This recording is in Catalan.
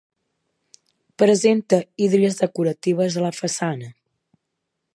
Presenta hídries decoratives a la façana.